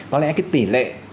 có lẽ cái tỉ lệ